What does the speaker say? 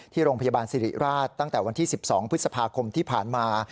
โรงพยาบาลสิริราชตั้งแต่วันที่๑๒พฤษภาคมที่ผ่านมา